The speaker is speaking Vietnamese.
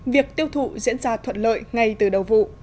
việc tiêu thụ diễn ra thuận lợi ngay từ đầu vụ